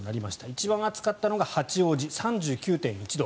一番暑かったのが八王子３９．１度。